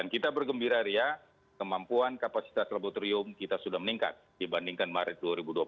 kemampuan kapasitas laboratorium kita sudah meningkat dibandingkan maret dua ribu dua puluh